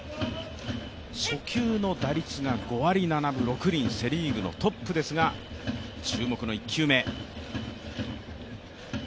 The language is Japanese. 初球の打率が５割７分６厘セ・リーグのトップですが注目の１球目。